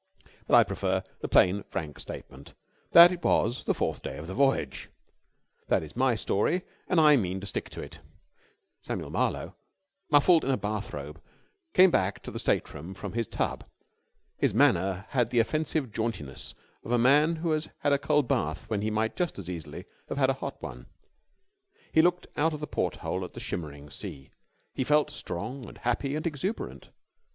But I prefer the plain frank statement that it was the fourth day of the voyage. That is my story and I mean to stick to it. Samuel Marlowe, muffled in a bathrobe, came back to the stateroom from his tub. His manner had the offensive jauntiness of the man who has had a cold bath when he might just as easily have had a hot one. He looked out of the porthole at the shimmering sea. He felt strong and happy and exuberant.